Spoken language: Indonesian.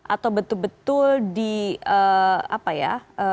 atau betul betul di apa ya